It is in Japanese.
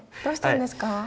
どうしたんですか？